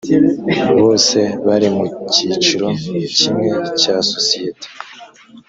bose bari mu cyiciro kimwe cya sosiyete